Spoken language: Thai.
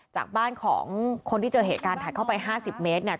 จากบ้านของคนที่เจอเหตุการณ์ถัดเข้าไป๕๐เมตรเนี่ย